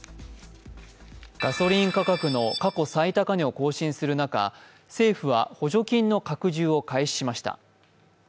ガソリン価格の過去最高値を更新する中政府は補助金の拡充を開始しました。